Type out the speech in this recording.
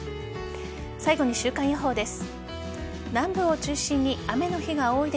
最後に週間予報です。